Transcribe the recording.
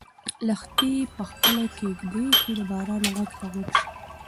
لښتې په خپله کيږدۍ کې د باران غږ ته غوږ شو.